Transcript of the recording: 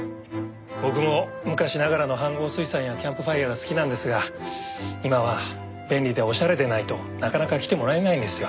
僕も昔ながらの飯ごう炊さんやキャンプファイアが好きなんですが今は便利でおしゃれでないとなかなか来てもらえないんですよ。